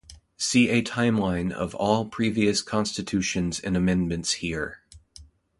See a timeline of all previous constitutions and amendments here.